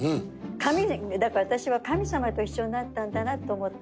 だから私は神様と一緒になったんだなと思って。